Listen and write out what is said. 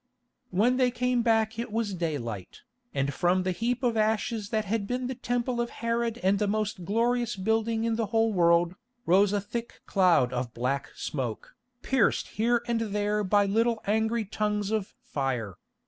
When they came back it was daylight, and from the heap of ashes that had been the Temple of Herod and the most glorious building in the whole world, rose a thick cloud of black smoke, pierced here and there by little angry tongues of fire.